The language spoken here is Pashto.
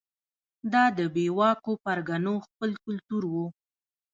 دا د بې واکو پرګنو خپل کلتور و.